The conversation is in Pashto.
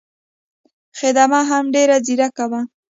خدمه هم ډېره ځیرکه وه.